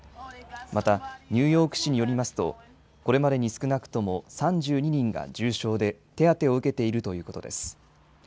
また、ニューヨーク市によりますと、これまでに少なくとも３２人が重傷で、手当てを受けているということです。